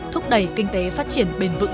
thúc đẩy kinh tế phát triển bền vững